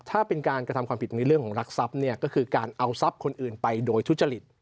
ถ้าเป็นการกระทำความผิดในเรื่องของรักทรัพย์เนี่ยก็คือการเอาทรัพย์คนอื่นไปโดยทุจริต